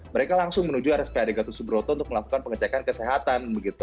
mereka langsung menuju rspad gatot subroto untuk melakukan pengecekan kesehatan